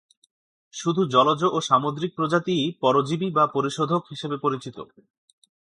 শুধু জলজ ও সামুদ্রিক প্রজাতিই পরজীবী বা পরিশোধক হিসেবে পরিচিত।